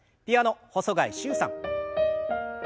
ピアノ細貝柊さん。